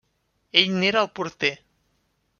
Ell n'era el porter.